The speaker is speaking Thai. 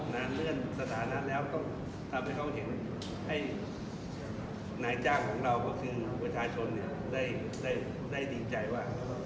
นานเลื่อนสถานะแล้วต้องทำให้เขาเห็นให้นายจ้างของเราก็คือประชาชนได้ดีใจว่า